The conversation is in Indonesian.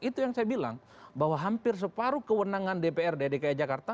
itu yang saya bilang bahwa hampir separuh kewenangan dprd di dki jakarta ada di pak any sebagai gubernur